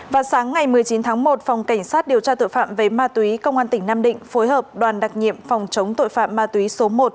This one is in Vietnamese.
vào sáng ngày một mươi chín tháng một phòng cảnh sát điều tra tội phạm về ma túy công an tỉnh nam định phối hợp đoàn đặc nhiệm phòng chống tội phạm ma túy số một